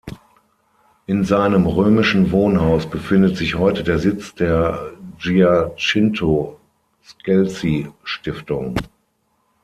In seinem römischen Wohnhaus befindet sich heute der Sitz der Giacinto-Scelsi-Stiftung.